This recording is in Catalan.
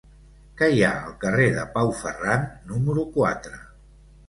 Què hi ha al carrer de Pau Ferran número quatre?